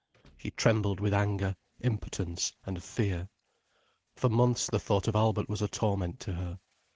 She trembled with anger, impotence, and fear. For months, the thought of Albert was a torment to her.